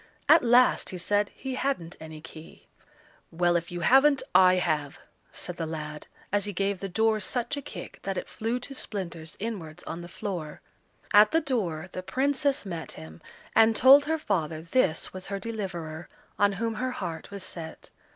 At last he said he hadn't any key. "Well, if you haven't, I have," said the lad, as he gave the door such a kick that it flew to splinters inwards on the floor. At the door the Princess met him, and told her father this was her deliverer, on whom her heart was set.